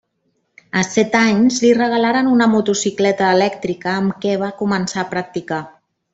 A set anys li regalaren una motocicleta elèctrica amb què va començar a practicar.